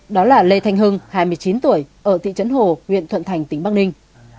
đó là lê thanh hưng hai mươi chín tuổi ở thị trấn hồ huyện thuận thành tỉnh bắc ninh